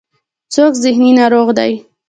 څوک ذهني ناروغ دی.